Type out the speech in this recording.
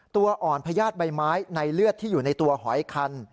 ตัวอ่อนพญาติใบไม้ในเลือดที่อยู่ในตัวหอยคัน